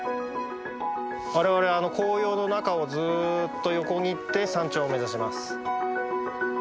我々あの紅葉の中をずっと横切って山頂を目指します。